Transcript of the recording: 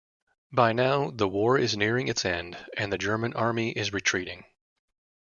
By now, the war is nearing its end and the German Army is retreating.